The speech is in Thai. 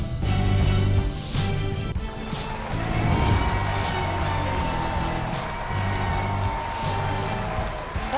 สวัสดีครับ